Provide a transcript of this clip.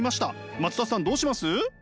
松田さんどうします？